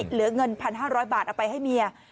เหลือเงิน๑๕๐๐บาทเอาไปให้เมีย